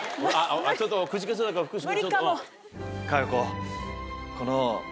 ちょっとくじけそうだから福士君。